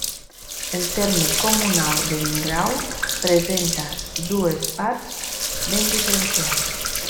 El terme comunal de Vingrau presenta dues parts ben diferenciades.